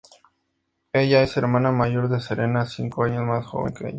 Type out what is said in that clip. Ella es hermana mayor de Serena, cinco años más joven que ella.